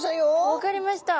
分かりました。